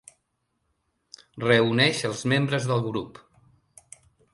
Reuneix els membres del grup.